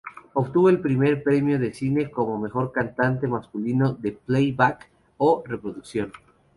Obtuvo el Premio Nacional de Cine como Mejor Cantante Masculino de playback o reproducción.